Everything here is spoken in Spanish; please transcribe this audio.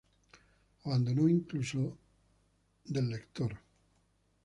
Abandono, incluso, del lector.